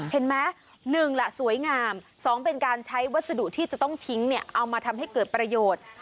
เห็นไหม๑ล่ะสวยงาม๒เป็นการใช้วัสดุที่จะต้องทิ้งเนี่ยเอามาทำให้เกิดประโยชน์